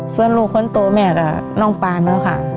ส่วนลูกค้นตัวแม่ก็น้องปานก็ค่ะ